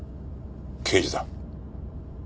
刑事だ。